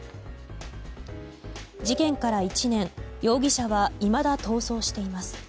事件から１年容疑者はいまだ逃走しています。